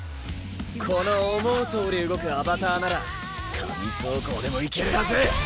この思うとおり動くアバターなら紙装甲でもいけるはず。